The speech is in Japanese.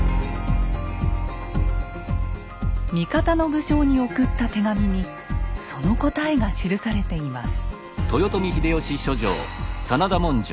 味方の武将に送った手紙にその答えが記されています。